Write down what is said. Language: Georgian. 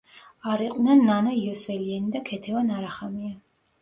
არ იყვნენ ნანა იოსელიანი და ქეთევან არახამია.